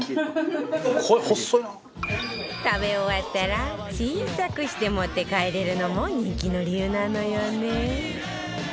食べ終わったら小さくして持って帰れるのも人気の理由なのよね